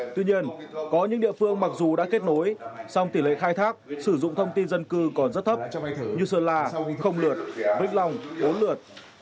tuy nhiên có những địa phương mặc dù đã kết nối song tỷ lệ khai thác sử dụng thông tin dân cư còn rất thấp như sơn la không lượt vĩnh long bốn lượt